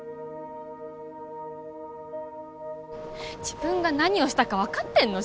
自分が何をしたか分かってんの？